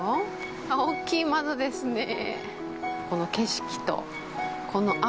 あっ、大きい窓ですねぇ。